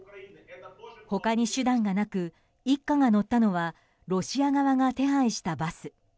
他に手段がなく一家が乗ったのはロシア側が手配したバス。